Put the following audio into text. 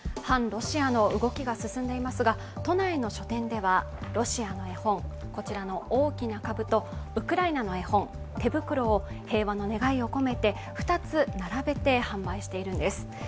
反ロシアの動きが進んでいますが都内の書店では、ロシアの絵本こちらの「おおきなかぶ」とウクライナの絵本「てぶくろ」を平和の願いを込めて２つ並べて販売しているんです。